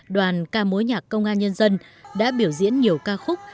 đoàn ca mối nhạc công an nhân dân đã biểu diễn nhiều ca khúc